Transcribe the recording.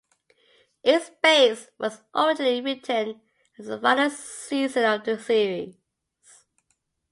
"In Space" was originally written as the final season for the series.